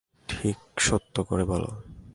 ঠিক সত্যি করে বলো।